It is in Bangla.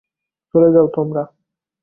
চলে যাও তোমরা!